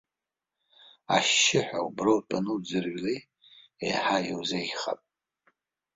Ашьшьыҳәа убра утәаны уӡырҩлеи, еиҳа иузеиӷьхап!